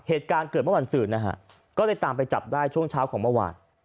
เหตุการณ์เกิดเมื่อวันศืนนะฮะก็เลยตามไปจับได้ช่วงเช้าของเมื่อวาน